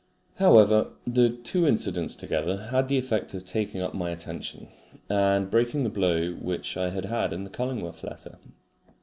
However, the two incidents together had the effect of taking up my attention and breaking the blow which I had had in the Cullingworth letter.